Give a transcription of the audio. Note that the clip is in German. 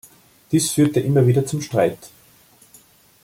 Dies führte immer wieder zum Streit.